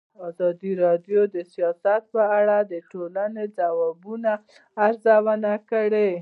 ازادي راډیو د سیاست په اړه د ټولنې د ځواب ارزونه کړې.